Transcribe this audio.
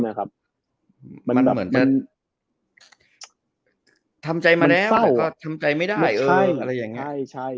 มันเหมือนที่ทำใจมาแล้วแต่ก็ทำใจไม่ได้